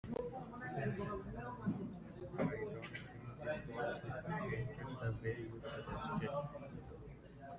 I don't think this wall should be painted the way you suggested.